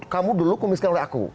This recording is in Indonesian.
kamu dulu kemiskin oleh aku